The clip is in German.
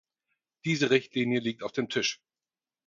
Diese Richtlinie liegt auf dem Tisch.